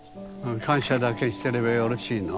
感謝だけしてればよろしいの。